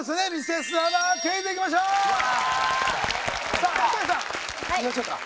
さあ岡谷さんいきましょうか。